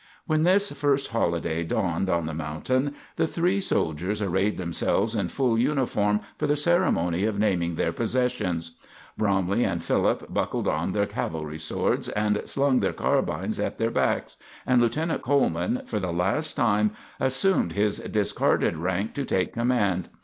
When this first holiday dawned on the mountain, the three soldiers arrayed themselves in full uniform for the ceremony of naming their possessions. Bromley and Philip buckled on their cavalry swords and slung their carbines at their backs, and Lieutenant Coleman, for the last time, assumed his discarded rank to take command.